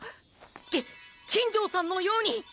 き金城さんのように！！